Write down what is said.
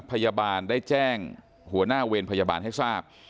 พยาบาลได้แจ้งหัวหน้าเวรพยาบาลให้ทราบ